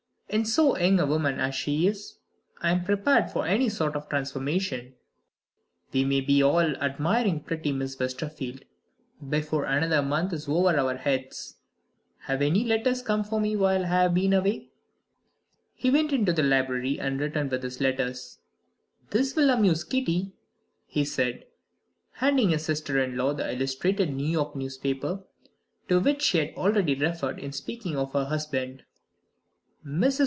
In so young a woman as she is, I am prepared for any sort of transformation. We may be all admiring pretty Miss Westerfield before another month is over our heads. Have any letters come for me while I have been away?" He went into the library and returned with his letters. "This will amuse Kitty," he said, handing his sister in law the illustrated New York newspaper, to which she had already referred in speaking to her husband. Mrs.